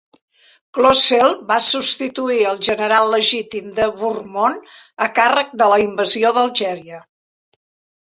Clausel va substituir el General legitim de Bourmont a càrrec de la invasió d"Algèria.